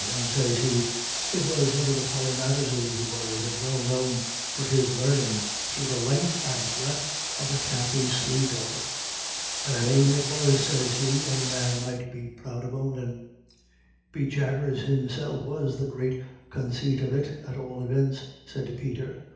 And sez he, it was one of the Polymatherses he was, and well known for his larnin' through the len'th and breadth of the county Sligo. And a name it was, he sez, any man might be proud of ownin'." "Be jabers, himself has the great consait of it, at all ivents," said Peter.